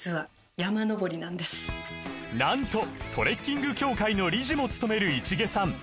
実はなんとトレッキング協会の理事もつとめる市毛さん